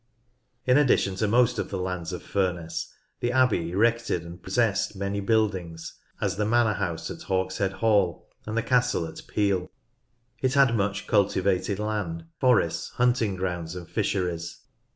In addition to most of the lands of Furness, the Abbey erected and possessed many buildings, as the manor house at Hawkshead Hall, and the castle at Piel. It had much cultivated land, forests, hunting grounds and fisheries.